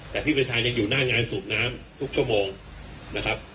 แต่พี่ประชายังอยู่หน้างานสูบน้ำทุกชั่วโมงนะครับ